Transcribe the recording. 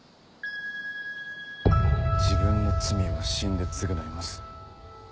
「自分の罪は死んでつぐないます」。